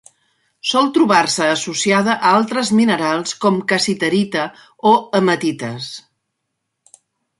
Sol trobar-se associada a altres minerals com cassiterita o hematites.